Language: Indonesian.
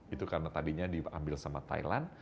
itu karena tadinya diambil sama thailand